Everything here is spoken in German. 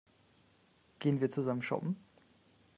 Gehen wir zusammen shoppen?